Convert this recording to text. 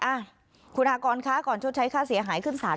อ่ะคุณอากรคะก่อนชดใช้ค่าเสียหายขึ้นศาล